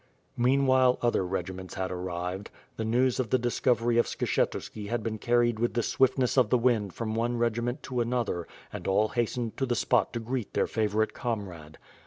Meanwhile other rt>giments had arrived. The news of the discovery of Skshetuski had been carried with the swiftness of the wind from one regiment to another and all hastened to the spot to greet their favorite comrade.